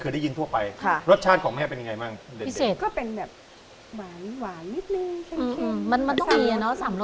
เผ็ดด้วยเราขอเขียนได้หน่อยนะครับเนี่ย